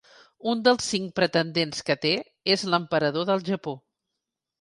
Un dels cinc pretendents que té és l’emperador del Japó.